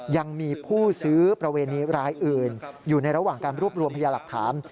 ยังมีผู้ซื้อประเวณีรายอื่นอยู่ในระหว่างการรวบรวมพยาหลักฐาน